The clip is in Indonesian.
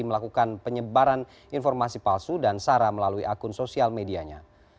melakukan penyebaran informasi palsu dan sara melalui akun sosial medianya